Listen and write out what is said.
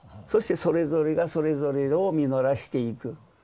そしてそれぞれがそれぞれを実らしていく。